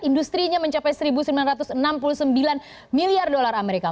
industri nya mencapai satu sembilan ratus enam puluh sembilan miliar dolar amerika